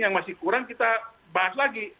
yang masih kurang kita bahas lagi